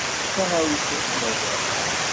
D taɣawsa i kem-rran.